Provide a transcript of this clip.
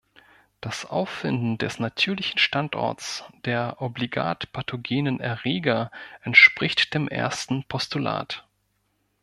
Das Auffinden des natürlichen Standorts der obligat pathogenen Erreger entspricht dem ersten Postulat.